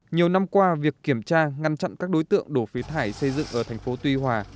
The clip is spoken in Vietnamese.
nhiều năm qua việc kiểm tra ngăn chặn các đối tượng đổ phế thải xây dựng ở thành phố tuy hòa